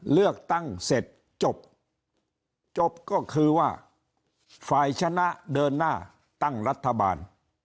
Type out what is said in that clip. เลือกตั้งเสร็จจบจบก็คือว่าฝ่ายชนะเดินหน้าตั้งรัฐบาล